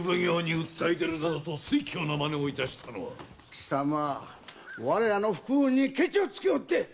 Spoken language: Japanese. きさま我らの福運にケチをつけおって！